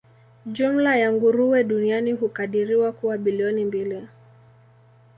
Jumla ya nguruwe duniani hukadiriwa kuwa bilioni mbili.